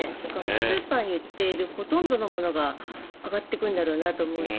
スーパーに売っているほとんどのものが上がっていくんだろうと思うし